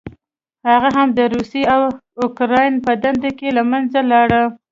هغه هم د روسیې او اوکراین په ډنډ کې له منځه لاړه.